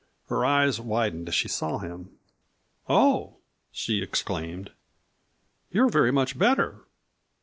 Her eyes widened as she saw him. "Oh!" she exclaimed. "You are very much better!"